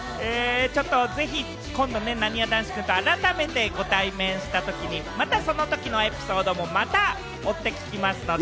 ちょっとぜひ、今度ね、なにわ男子くんと改めてご対面したときに、またそのときのエピソードもまた追って聞きますので。